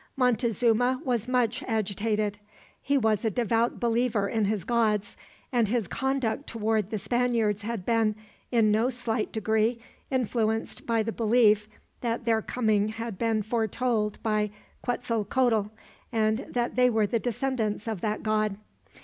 Montezuma was much agitated. He was a devout believer in his gods; and his conduct towards the Spaniards had been, in no slight degree, influenced by the belief that their coming had been foretold by Quetzalcoatl, and that they were the descendants of that god.